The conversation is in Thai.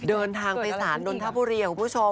ด้านทางไปสานดนทบุรีะคุณผู้ชม